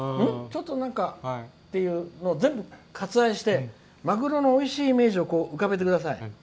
ちょっとっていうのを全部割愛してマグロのおいしいイメージを浮かべてください。